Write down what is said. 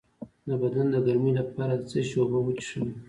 د بدن د ګرمۍ لپاره د څه شي اوبه وڅښم؟